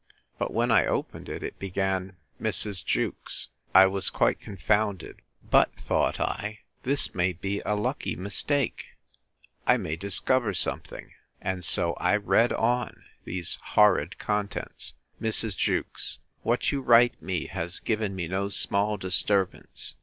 But when I opened it, it began, Mrs. Jewkes. I was quite confounded; but, thought I, this may be a lucky mistake; I may discover something: And so I read on these horrid contents: 'MRS. JEWKES, 'What you write me, has given me no small disturbance.